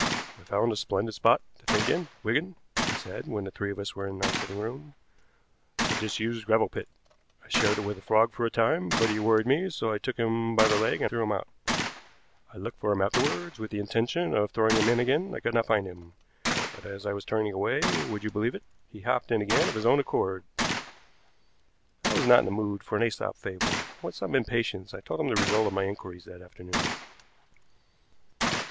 "I found a splendid spot to think in, Wigan," he said, when the three of us were in our sitting room. "A disused gravel pit. I shared it with a frog for a time, but he worried me so I took him by the leg and threw him out. I looked for him afterward with the intention of throwing him in again. I could not find him, but as I was turning away, would you believe it, he hopped in again of his own accord." I was not in the mood for an Æsop fable, and with some impatience I told him the results of my inquiries that afternoon.